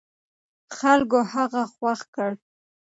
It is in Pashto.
خلکو هغه خوښ کړ.